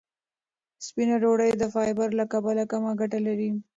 سپینه ډوډۍ د فایبر له کبله کمه ګټه لري.